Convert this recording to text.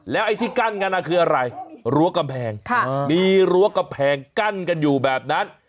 ไอ้ที่กั้นกันคืออะไรรั้วกำแพงมีรั้วกำแพงกั้นกันอยู่แบบนั้น